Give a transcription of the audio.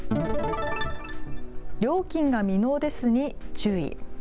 料金が未納ですに注意。